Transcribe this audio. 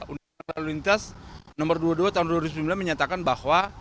undang lalu lintas nomor dua puluh dua tahun dua ribu sembilan menyatakan bahwa